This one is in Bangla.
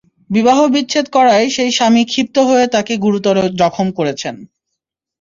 বিবাহ বিচ্ছেদ করায় সেই স্বামী ক্ষিপ্ত হয়ে তাঁকে গুরুতর জখম করেছেন।